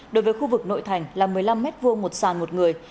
đối với khu vực nội thành là một mươi năm m hai một sàn một người